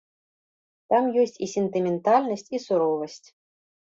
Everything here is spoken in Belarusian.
Там ёсць і сентыментальнасць, і суровасць.